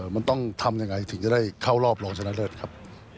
มันต้องทำยังไงถึงจะได้เข้ารอบรองชนะเลิศครับ